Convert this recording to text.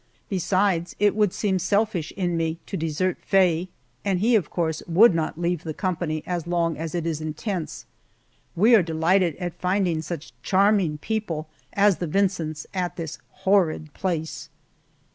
Besides, it would seem selfish in me to desert Faye, and he, of course, would not leave the company as long as it is in tents. We are delighted at finding such charming people as the Vincents at this horrid place.